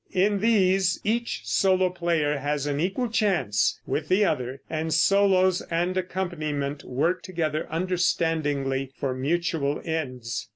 In these each solo player has an equal chance with the other, and solos and accompaniment work together understandingly for mutual ends.